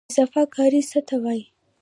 اضافه کاري څه ته وایي؟